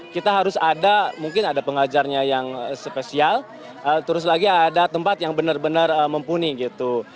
kita harus ada mungkin ada pengajarnya yang spesial terus lagi ada tempat yang benar benar mumpuni gitu